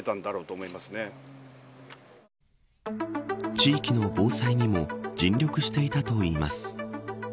地域の防災にも尽力していたといいます。